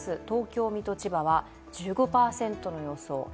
東京、水戸、千葉は１５％の予想。